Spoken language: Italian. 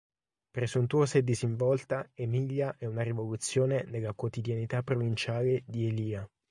Presuntuosa e disinvolta, Emilia è una rivoluzione nella quotidianità provinciale di Elia.